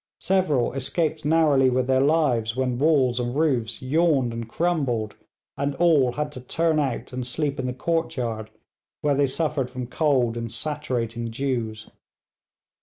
Several escaped narrowly with their lives when walls and roofs yawned and crumbled, and all had to turn out and sleep in the courtyard, where they suffered from cold and saturating dews.